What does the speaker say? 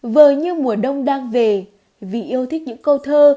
vời như mùa đông đang về vì yêu thích những câu thơ